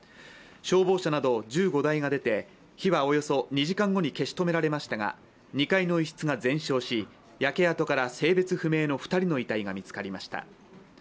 消防車など１５台が出て火はおよそ２時間後に消し止められましたが、２階の一室が全焼し焼け跡から性別不明の２人が遺体が見つかりました。